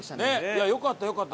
いやよかったよかった。